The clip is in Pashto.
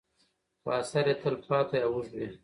خو اثر یې تل پاتې او اوږد وي.